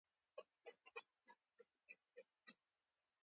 په رسمي جریده کې خپور او